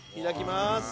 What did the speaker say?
開きます。